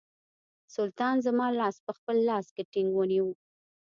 سلطان زما لاس په خپل لاس کې ټینګ ونیوی.